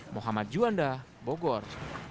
mohamad juanda bogor